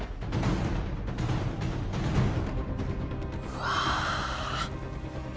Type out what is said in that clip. うわ。